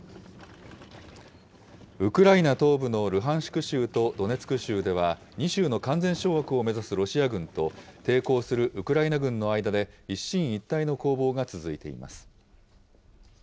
ウクライナ東部のルハンシク州とドネツク州では、２州の完全掌握を目指すロシア軍と、抵抗するウクライナ軍の間で、一進一退の攻防が続いています。